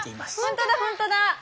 本当だ本当だ！